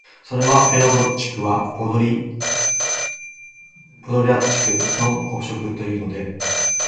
それは「ペレヴォッチクはポドリャッチクの誤植」というので、